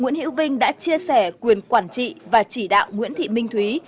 nguyễn hữu vinh đã chia sẻ quyền quản trị và chỉ đạo nguyễn thị minh thúy